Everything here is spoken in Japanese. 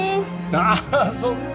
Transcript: あっそっか。